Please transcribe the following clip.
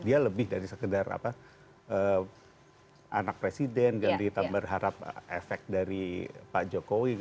dia lebih dari sekedar apa anak presiden yang kita berharap efek dari pak jokowi